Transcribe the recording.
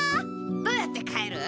どうやって帰る？